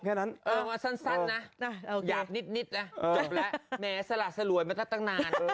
เออที่เราพูดมันตั้งนั้น